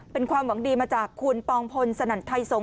เป็นความหวังดีมาจากคุณปองพลสนั่นไทยสงฆ